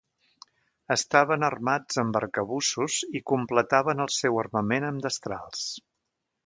Estaven armats amb arcabussos i completaven el seu armament amb destrals.